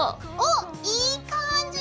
おっいい感じ！